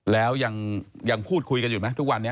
แล้วยังพูดคุยกันอยู่ไหมทุกวันนี้